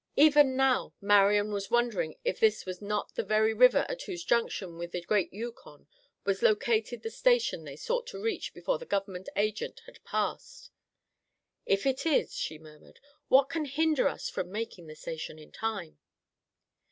Even now Marian was wondering if this were not the very river at whose junction with the great Yukon was located the station they sought to reach before the Government Agent had passed. "If it is," she murmured, "what can hinder us from making the station in time?"